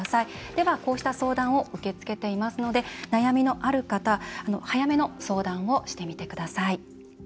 では、こうした相談を受け付けていますので悩みのある方早めの相談をしてみてください。